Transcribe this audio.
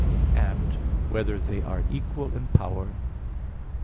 (6) Whether they are equal in power?